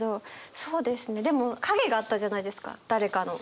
でも影があったじゃないですか誰かの。